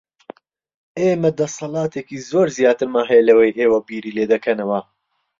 ئێمە دەسەڵاتێکی زۆر زیاترمان هەیە لەوەی ئێوە بیری لێ دەکەنەوە.